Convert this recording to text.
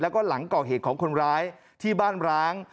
แล้วก็หลังก่อเหตุของคนร้ายที่บ้านร้าง